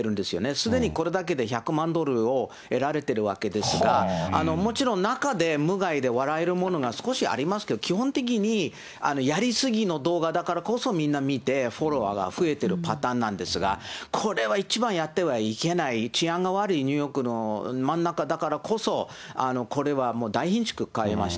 すでにこれだけで１００万ドルを得られてるわけですが、もちろん、中で無害で笑えるものが少しはありますけど、基本的にやり過ぎの動画だからこそ、みんな見て、フォロワーが増えてるパターンなんですが、これは一番やってはいけない、治安が悪いニューヨークの真ん中だからこそ、これはもう大ひんしゅく買いました。